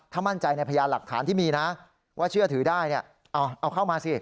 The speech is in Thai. ถ้ามั่นใจในพยานหลักฐานที่มีนะว่าเชื่อถือได้เอาเข้ามาสิ